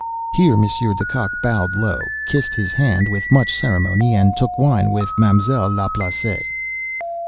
Here Monsieur De Kock bowed low, kissed his hand with much ceremony, and took wine with Ma'm'selle Laplace.